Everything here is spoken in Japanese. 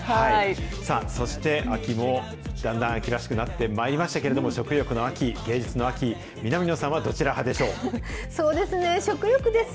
さあ、そして、秋もだんだん秋らしくなってまいりましたけれども、食欲の秋、芸術の秋、南野さんはそうですね、食欲です。